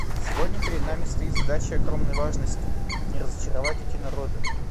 Сегодня перед нами стоит задача огромной важности: не разочаровать эти народы.